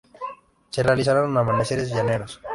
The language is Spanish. Se realizaron amaneceres llaneros.